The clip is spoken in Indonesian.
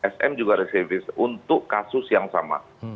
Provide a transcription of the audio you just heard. sm juga reservis untuk kasus yang sama